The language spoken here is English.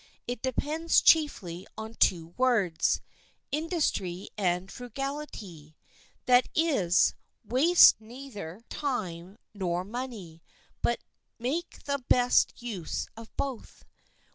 It depends chiefly on two words—industry and frugality; that is, waste neither time nor money, but make the best use of both.